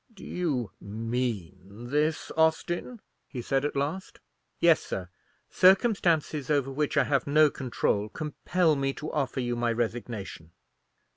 "Do you mean this, Austin?" he said at last. "Yes, sir. Circumstances over which I have no control compel me to offer you my resignation."